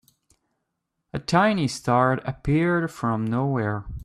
A tiny star appeared from nowhere.